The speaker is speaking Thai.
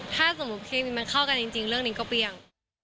ถ้าสมมุติมันเข้ากันจริงเรื่องนี้ก็เปรี้ยง